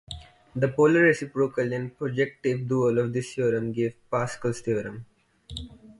The polar reciprocal and projective dual of this theorem give Pascal's theorem.